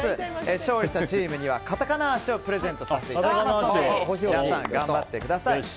勝利したチームにはカタカナーシをプレゼントしますので皆さん頑張ってください。